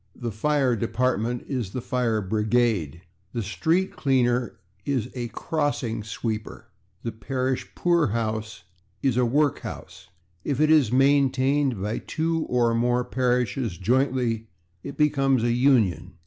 The fire /department/ is the fire /brigade/. The /street cleaner/ is a /crossing sweeper/. The parish /poorhouse/ is a /workhouse/. If it is maintained by two or more parishes jointly it becomes a /union